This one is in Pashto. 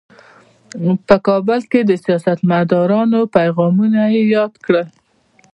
په کابل کې د سیاستمدارانو پیغامونه یې یاد کړل.